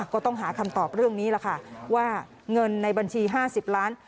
ก็ต้องหาคำตอบเรื่องนี้แหละค่ะว่าเงินในบัญชี๕๐ล้าน